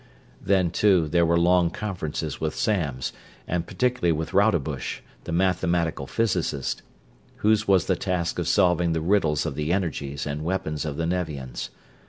Then, too, there were long conferences with Samms, and particularly with Rodebush, the mathematical physicist, whose was the task of solving the riddles of the energies and weapons of the Nevians.